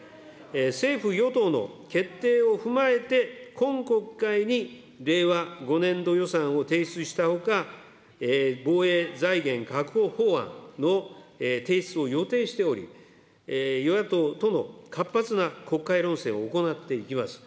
政府・与党の決定を踏まえて、今国会に令和５年度予算を提出したほか、防衛財源確保法案の提出を予定しており、与野党との活発な国会論戦を行っていきます。